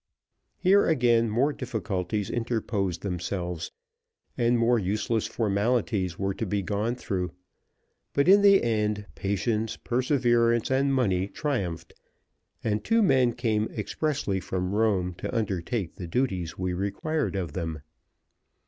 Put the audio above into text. Here, again, more difficulties interposed themselves, and more useless formalities were to be gone through, but in the end patience, perseverance, and money triumphed, and two men came expressly from Rome to undertake the duties we required of them.